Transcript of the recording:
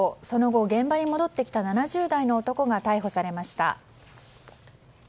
その後、現場に戻ってきた７０代の男が逮捕されました。